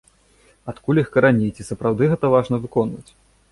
Адкуль іх карані, і ці сапраўды гэта важна выконваць?